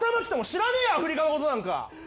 知らねえアフリカのことなんか。